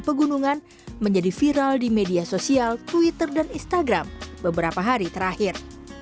pegunungan menjadi viral di media sosial twitter dan instagram beberapa hari terakhir